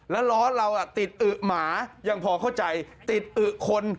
แล้วล้อเราติดอึ๋หมายังพอเข้าใจติดอึคน